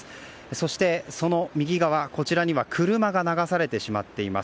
そして、こちらには車が流されてしまっています。